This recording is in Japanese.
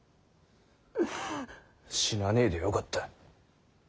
死なねぇでよかった。